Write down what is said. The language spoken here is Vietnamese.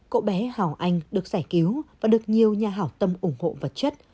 cậu bé hào anh được giải cứu và được nhiều nhà hảo tâm ủng hộ vật chất